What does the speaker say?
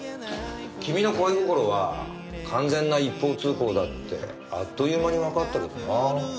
君の恋心は完全な一方通行だってあっという間にわかったけどな。